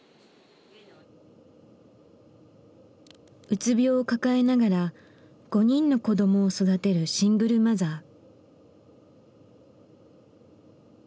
うつ病を抱えながら５人の子どもを育てるシングルマザー。